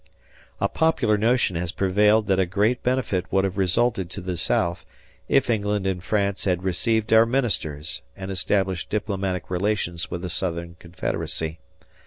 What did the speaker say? A popular notion has prevailed that a great benefit would have resulted to the South if England and France had received our ministers and established diplomatic relations with the Southern Confederacy.